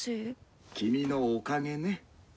君の「おかげ」ね。